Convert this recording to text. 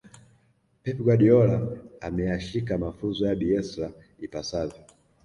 pep guardiola ameyashika mafunzo ya bielsa ipasavyo